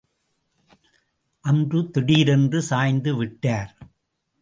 அம்ரு திடீரென்று சாய்ந்து விட்டார்.